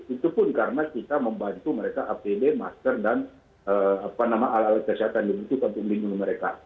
itu pun karena kita membantu mereka apd masker dan alat alat kesehatan dibutuhkan untuk melindungi mereka